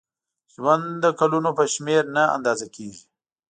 ژوند د کلونو په شمېر نه اندازه کېږي.